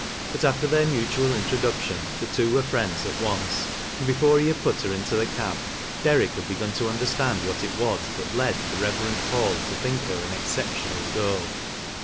But after their mutual introduction the two were friends at ance, and before he had put her into the cab. Derrick had .begun to understand what it was that led the Keverend Paul to think her an exceptional girl.